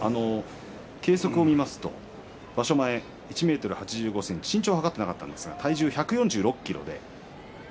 計測を見ますと場所前１ｍ８５ｃｍ身長は測っていなかったんですが体重は１４６ｋｇで。